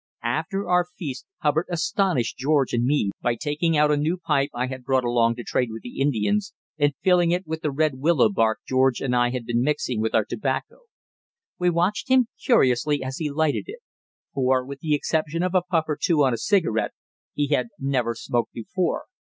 After our feast Hubbard astonished George and me by taking out a new pipe I had brought along to trade with the Indians, and filling it with the red willow bark George and I had been mixing with our tobacco. We watched him curiously as he lighted it; for, with the exception of a puff or two on a cigarette, he had never smoked before.